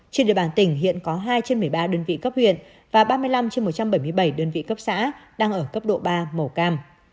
trên địa bàn tỉnh hiện có hai trên một mươi ba đơn vị cấp huyện và ba mươi năm trên một trăm bảy mươi bảy đơn vị cấp xã đang ở cấp độ ba màu cam